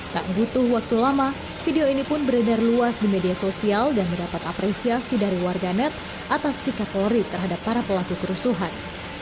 tak butuh waktu lama video ini pun beredar luas di media sosial dan mendapat apresiasi dari warganet atas sikap polri terhadap para pelaku kerusuhan